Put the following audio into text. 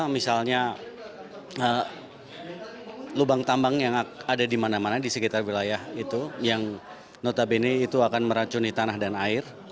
misalnya lubang tambang yang ada di mana mana di sekitar wilayah itu yang notabene itu akan meracuni tanah dan air